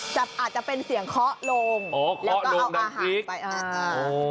จะอาจจะเป็นเสียงเคาะโลงอ๋อเคาะโลงดังกริ๊กแล้วก็เอาอาหารไปอ่าอ๋อ